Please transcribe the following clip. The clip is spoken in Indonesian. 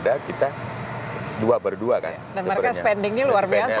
dan mereka spendingnya luar biasa kalau pertahanan mereka